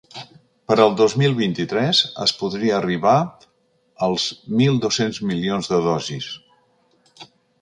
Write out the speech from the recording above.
Per al dos mil vint-i-tres es podria arribar als mil dos-cents milions de dosis.